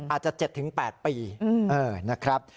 อาจจะ๗๘ปีนะครับ